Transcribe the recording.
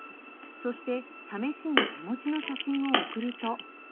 そして試しに手持ちの写真を送ると。